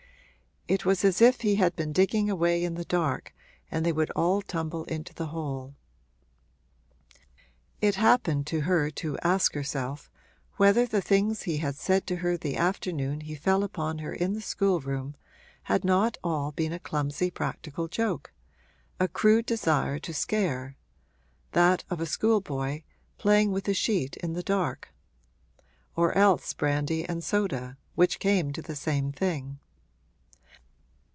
It was as if he had been digging away in the dark and they would all tumble into the hole. It happened to her to ask herself whether the things he had said to her the afternoon he fell upon her in the schoolroom had not all been a clumsy practical joke, a crude desire to scare, that of a schoolboy playing with a sheet in the dark; or else brandy and soda, which came to the same thing.